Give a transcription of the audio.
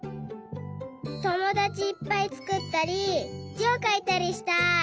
ともだちいっぱいつくったりじをかいたりしたい！